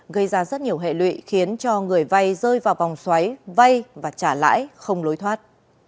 gây ra rất nhiều hệ lụy khiến cho người vay rơi vào vòng xoáy vay và trả lãi không lối thoát